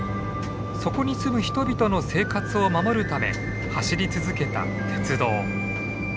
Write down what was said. そこに住む人々の生活を守るため走り続けた鉄道。